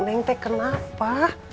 neng teh kenapa